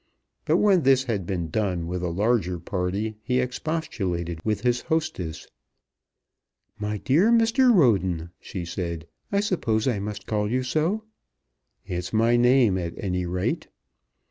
But when this had been done with a larger party he expostulated with his hostess. "My dear Mr. Roden," she said, "I suppose I must call you so." "It's my name at any rate."